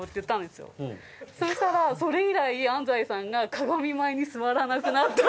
そしたらそれ以来安齋さんが鏡前に座らなくなった。